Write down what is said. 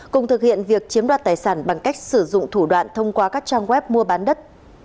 cùng thực hiện việc chiếm đoạt tài sản bằng cách sử dụng thủ đoạn thông qua các trang web mua bán đất